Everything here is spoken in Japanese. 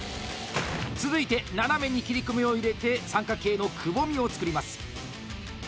続いて、斜めに切り込みを入れて三角形のくぼみを作ります。